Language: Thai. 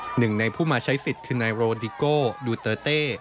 หนึ่งในผู้มาใช้สิทธิ์คือนายโรดิโกดูเตอร์เต้